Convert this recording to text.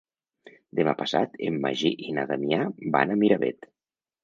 Demà passat en Magí i na Damià van a Miravet.